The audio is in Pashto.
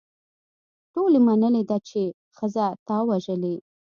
ټولو منلې ده چې ښځه تا وژلې.